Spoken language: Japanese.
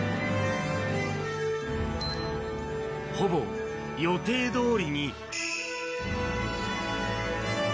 ほぼ予定どおりに。